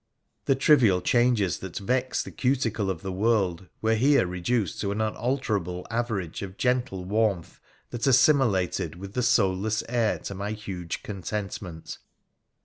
The trivial changes that vex the cuticle of the world were here reduced to an unalterable average of gentle warmth that assimilated with the soulless air to my huge contentment.